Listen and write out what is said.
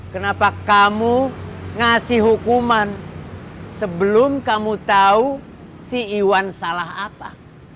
kenapa kamu ngasih hukuman sebelum kamu tahu si iwan salah apa